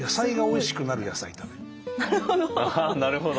あなるほど。